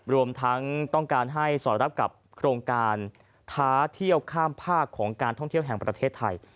รวมทั้งต้องการให้สอดรับกับโครงการท้าเที่ยวข้ามภาคของการท่องเที่ยวแห่งประเทศไทย